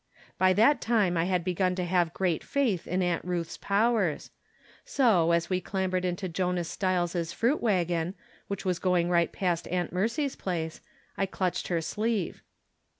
By that time I had begun to have grsat faith in Aunt Ruth's powers ; so, as we clambered into Jonas Stiles' fruit wagon, which was going right past Aunt Mercy's place, I clutched her sleeve.